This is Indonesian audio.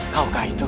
kau gak itu